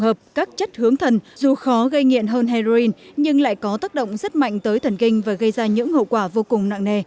không chỉ cho bản thân người sử dụng thẩm nhưng lại có tác động rất mạnh tới thần kinh và gây ra những hậu quả vô cùng nặng nề